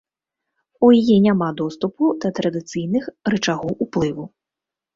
У яе няма доступу да традыцыйных рычагоў уплыву.